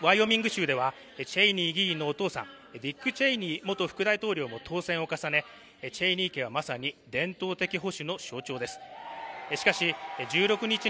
保守層の多いもワイオミング州ではチェイニー議員のお父さんディック・チェイニー元副大統領も当選を重ねチェイニー家はまさに伝統的保守の象徴です